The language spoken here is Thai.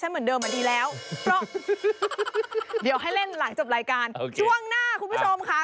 ฉันเหมือนเดิมมันดีแล้วเดี๋ยวให้เล่นหลังจบรายการโอเคช่วงหน้าคุณผู้ชมค่ะ